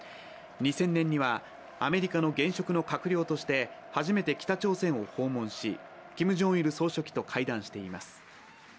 ２０００年にはアメリカの現職の閣僚として初めて北朝鮮を訪問し、キム・ジョンイル総書記と会談しています。